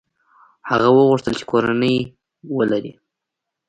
هغه وغوښتل چې کورنۍ ولري.